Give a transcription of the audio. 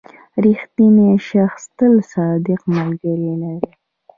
• رښتینی شخص تل صادق ملګري لري.